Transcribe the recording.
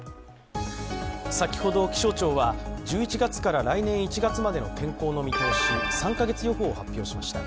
先ほど、気象庁は１１月から来年１月までの天候の見通し、３か月予報を発表しました。